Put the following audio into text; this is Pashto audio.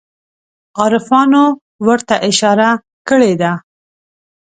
عارفانو ورته اشاره کړې ده.